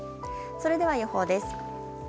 それでは予報です。